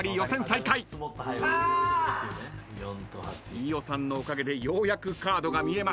飯尾さんのおかげでようやくカードが見えました岸君。